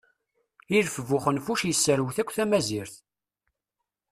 Ilef bu uxenfuc yesserwet akk tamazirt.